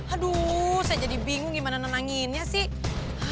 aduh saya jadi bingung gimana nenanginnya sih